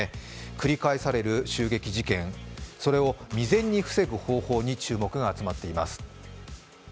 繰り返される襲撃事件、それを未然に防ぐ方法に注目があつまっています。